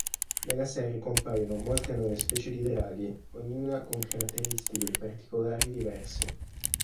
Nella serie compaiono molte nuove specie di draghi, ognuna con caratteristiche e particolari diversi.